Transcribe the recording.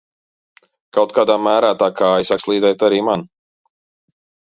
Kaut kādā mērā tā kāja sāk slīdēt arī man...